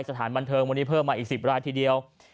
สถานบันเทิงวันนี้เพิ่มมาอีก๑๐รายทีเดียว